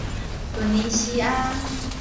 突尼西亞